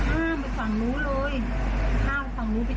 สีดำอ่ะเขามี๕คนไม่รู้เป็นยังไง